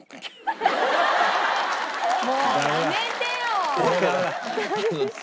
もうやめてよ！